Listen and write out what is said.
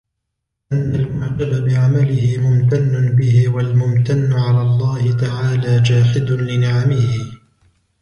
أَنَّ الْمُعْجَبَ بِعَمَلِهِ مُمْتَنٌّ بِهِ وَالْمُمْتَنُّ عَلَى اللَّهِ تَعَالَى جَاحِدٌ لِنِعَمِهِ